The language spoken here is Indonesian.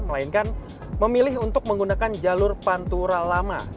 melainkan memilih untuk menggunakan jalur pantura lama